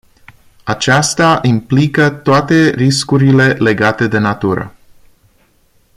Acestea implică toate riscurile legate de natură.